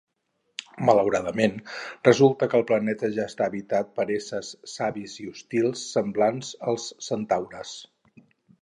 Malauradament, resulta que el planeta ja està habitat per éssers savis i hostils semblants als centaures.